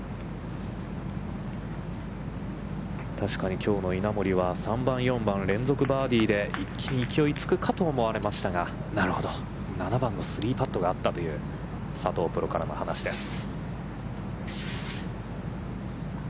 確かにきょうの稲森は３番４番連続バーディーで一気に勢いがつくかと思われましたが、なるほど、７番の３パットがあったという佐藤プロからの話です。